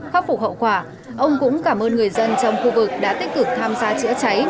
khắc phục hậu quả ông cũng cảm ơn người dân trong khu vực đã tích cực tham gia chữa cháy